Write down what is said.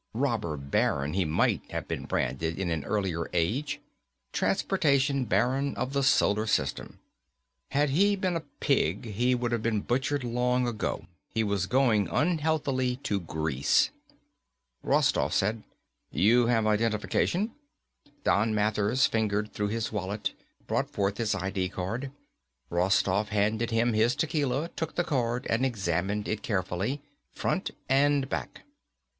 Robber baron, he might have been branded in an earlier age. Transportation baron of the solar system. Had he been a pig he would have been butchered long ago; he was going unhealthily to grease. Rostoff said, "You have identification?" Don Mathers fingered through his wallet, brought forth his I.D. card. Rostoff handed him his tequila, took the card and examined it carefully, front and back.